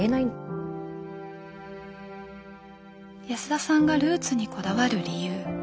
安田さんがルーツにこだわる理由。